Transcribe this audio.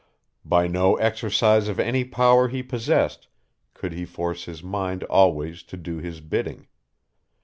By no exercise of any power he possessed could he force his mind always to do his bidding.